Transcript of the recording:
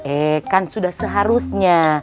eh kan sudah seharusnya